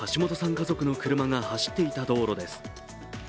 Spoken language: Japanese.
家族の車が走っていた道路です。